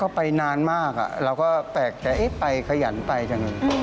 ก็ไปนานมากเราก็แปลกใจไปขยันไปจังเลย